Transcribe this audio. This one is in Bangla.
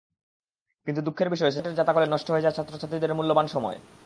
কিন্তু দুঃখের বিষয়, সেশনজটের জাঁতাকলে নষ্ট হয়ে যায় ছাত্রছাত্রীদের মূল্যবান সময়।